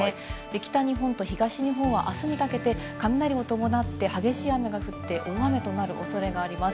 北日本と東日本はあすにかけて雷を伴って激しい雨が降って大雨となるおそれがあります。